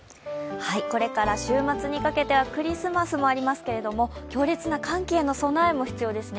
これから週末にかけてはクリスマスもありますけれども、強烈な寒気への備えも大切ですね。